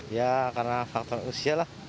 ya karena faktor usia lah